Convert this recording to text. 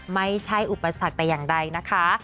ไม่ใช่อุปสรรคแต่อย่างใดนะคะ